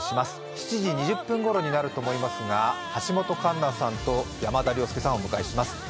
７時２０分ごろになると思いますが、橋本環奈さんと山田涼介さんをお迎えします。